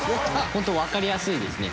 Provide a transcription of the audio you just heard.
本当、わかりやすいですね。